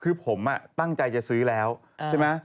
คือผมตั้งใจจะซื้อแล้วใช่ไหม